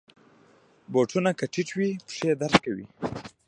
بوټونه که ټیټ وي، پښې درد کوي.